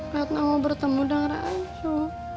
ratna mau bertemu dengan rasyu